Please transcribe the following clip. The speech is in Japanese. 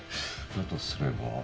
だとすれば。